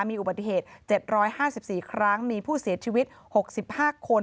มีอุบัติเหตุ๗๕๔ครั้งมีผู้เสียชีวิต๖๕คน